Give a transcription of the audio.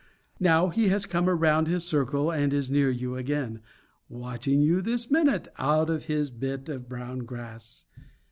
Now he has come around his circle and is near you again watching you this minute, out of his bit of brown grass.